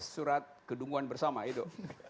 surat kedunguan bersama itu